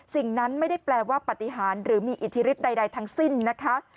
สิ่งนั้นไม่ได้แปลว่าปฏิหารหรือมีอิทธิฤทธิใดทั้งสิ้นนะคะ